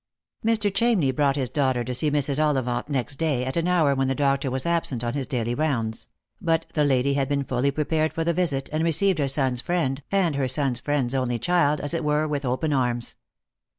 Me. Chamney brought his daughter to see Mrs. Ollivant next day, at an hour when the doctor was absent on his daily rounds ; but the lady had been fully prepared for the visit, and received her son's friend, and her son's friend's only child, as it were with open arms.